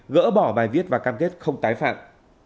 gỡ bỏ bài viết và cam kết không tái phạm